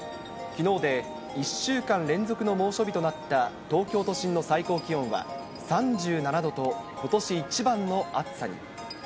きのうで１週間連続の猛暑日となった東京都心の最高気温は３７度と、ことし一番の暑さに。